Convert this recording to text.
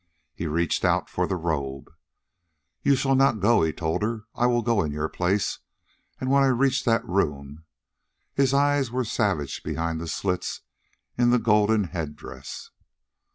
He reached out for the robe. "You shall not go," he told her. "I will go in your place. And when I reach that room...." His eyes were savage behind the slits in the golden head dress.